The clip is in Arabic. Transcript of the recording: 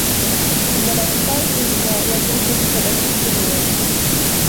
إن ما يدفعني للبكاء، وأذرف بسببه الدموع